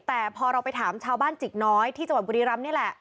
แต่พอเราไปถามชาวบ้านจิกน้อยที่จังหวัดบุรีรำนี่แหละ